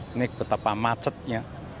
ini betapa macetnya